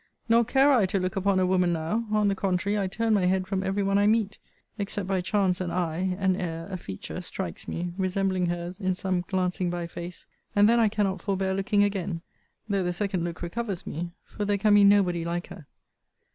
Nor care I to look upon a woman now: on the contrary, I turn my head from every one I meet: except by chance an eye, an air, a feature, strikes me, resembling her's in some glancing by face; and then I cannot forbear looking again: though the second look recovers me; for there can be nobody like her.